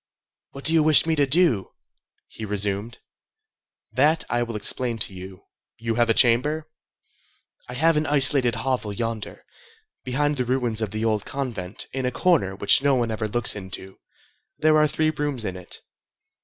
"What do you wish me to do?" he resumed. "That I will explain to you. You have a chamber?" "I have an isolated hovel yonder, behind the ruins of the old convent, in a corner which no one ever looks into. There are three rooms in it."